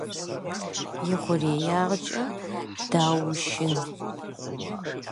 ИхъуреягъкӀэ даущыншагъэр щытепщэт.